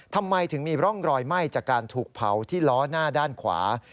ทำไมถึงมีร่องรอยไหม้จากการถูกเผาที่ล้อหน้าด้านขวา